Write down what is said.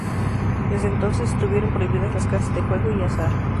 Desde entonces estuvieron prohibidas las casas de juego y azar.